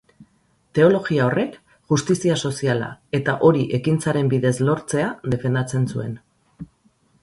Teologia horrek justizia soziala eta hori ekintzaren bidez lortzea defendatzen zuen.